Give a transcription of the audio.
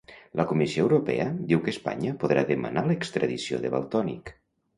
La Comissió Europea diu que Espanya podrà demanar l'extradició de Valtònyc.